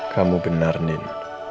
kamu benar nin